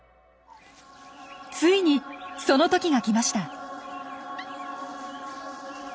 ついにその時が来ました。